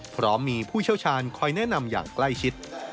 พร้อมมีผู้เชี่ยวชาญคอยแนะนำอย่างใกล้ชิด